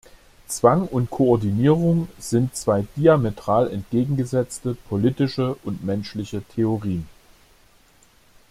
Zwang und Koordinierung sind zwei diametral entgegengesetzte politische und menschliche Theorien.